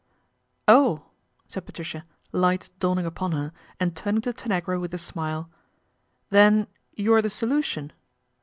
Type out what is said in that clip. " Oh !" said Patricia, light dawning upon her ind turning to Tanagra with a smile, " Then you're the solution